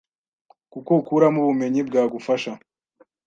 kuko ukuramo ubumenyi bwagufasha